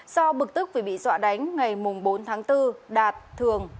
do bực tức vì bị dọa đánh ngày bốn tháng bốn đạt thường